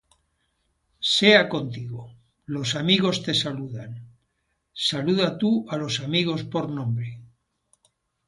sea contigo. Los amigos te saludan. Saluda tú á los amigos por nombre.